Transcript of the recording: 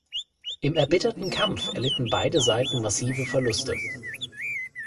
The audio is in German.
Im erbitterten Kampf erlitten beide Seiten massive Verluste.